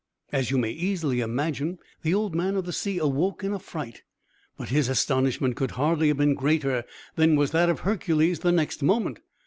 As you may easily imagine, the Old Man of the Sea awoke in a fright. But his astonishment could hardly have been greater than was that of Hercules, the next moment.